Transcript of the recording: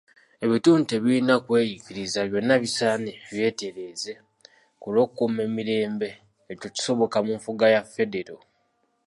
Ebitundu tebirina kweyiikiriza, byonna bisaana byetereeze ku lw'okukuuma emirembe ekyo kisoboka mu nfuga eya federo.